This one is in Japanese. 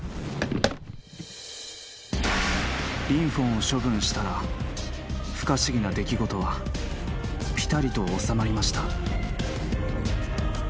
「リンフォンを処分したら不可思議な出来事はぴたりと収まりました」